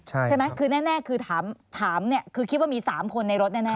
ใช่ไหมคือแน่คือถามเนี่ยคือคิดว่ามี๓คนในรถแน่